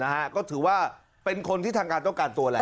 นะฮะก็ถือว่าเป็นคนที่ทางการต้องการตัวแหละ